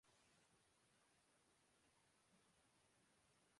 یقین رکھتا ہوں کے انسان فطری طور پر برا ہے